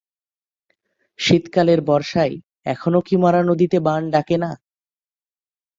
শীতকালের বর্ষায় এখনো কি মরা নদীতে বান ডাকে না?